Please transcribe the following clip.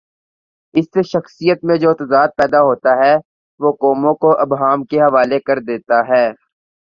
اس سے شخصیت میں جو تضاد پیدا ہوتاہے، وہ قوموں کو ابہام کے حوالے کر دیتا ہے۔